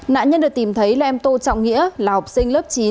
nạn nhân được tìm thấy là em tô trọng nghĩa là học sinh lớp chín